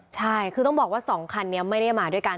ใช่คือต้องบอกว่า๒คันนี้ไม่ได้มาด้วยกัน